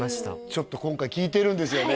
ちょっと今回聞いてるんですよね